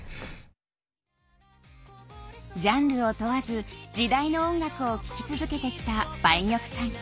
ジャンルを問わず時代の音楽を聴き続けてきた梅玉さん。